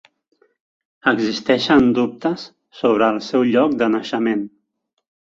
Existeixen dubtes sobre el seu lloc de naixement.